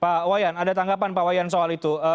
pak wayan ada tanggapan pak wayan soal itu